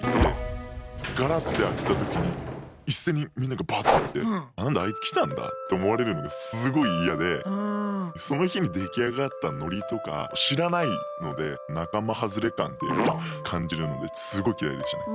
ガラッて開けた時に一斉にみんながバッと見て「何だあいつ来たんだ」って思われるのがすごい嫌でその日に出来上がったノリとか知らないので仲間外れ感というのは感じるのですごい嫌いでしたね。